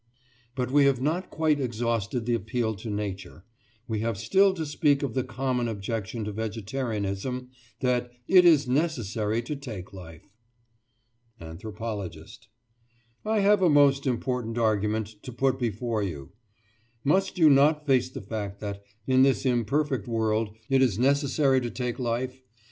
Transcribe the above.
But we have not quite exhausted the appeal to Nature; we have still to speak of the common objection to vegetarianism that "it is necessary to take life." ANTHROPOLOGIST: I have a most important argument to put before you. Must you not face the fact that, in this imperfect world, it is necessary to take life?